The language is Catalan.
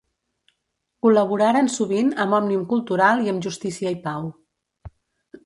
Col·laboraren sovint amb Òmnium Cultural i amb Justícia i Pau.